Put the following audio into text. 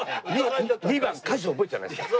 ２番歌詞覚えてないですから。